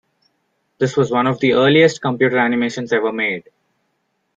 This was one of the earliest computer animations ever made.